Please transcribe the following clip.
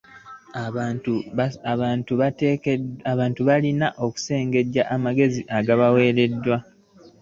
abantu balina okusengejja amagezi agabaweebwa.